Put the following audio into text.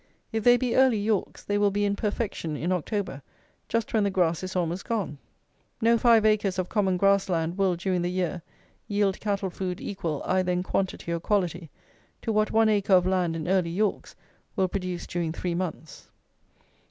If they be early Yorks, they will be in perfection in October, just when the grass is almost gone. No five acres of common grass land will, during the year, yield cattle food equal, either in quantity or quality, to what one acre of land in early Yorks will produce during three months.